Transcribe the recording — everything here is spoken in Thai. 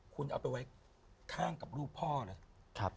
คุณเอาไปไว้ข้างกับรูปพ่อเลย